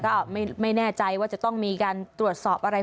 ก็ไม่แน่ใจว่าจะต้องมีการตรวจสอบอะไร